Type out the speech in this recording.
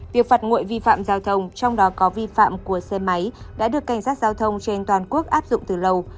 việc phạt nguội vi phạm giao thông trong đó có vi phạm của xe máy đã được cảnh sát giao thông trên toàn quốc áp dụng từ lâu